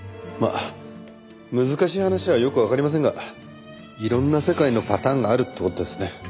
まあ難しい話はよくわかりませんがいろんな世界のパターンがあるって事ですね。